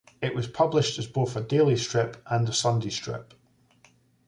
It was published as both a daily strip and a Sunday strip.